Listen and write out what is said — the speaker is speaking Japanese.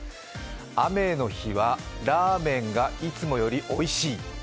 雨の日はラーメンがいつもよりおいしい。